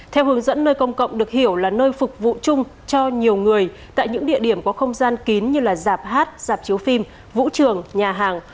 theo hướng dẫn nơi công cộng được hiểu là nơi phục vụ chung cho nhiều người tại những địa điểm có không gian kín như dạp hát dạp chiếu phim vũ trường nhà hàng